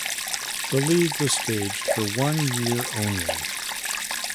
The league was staged for one year only.